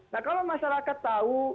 nah kalau masyarakat tahu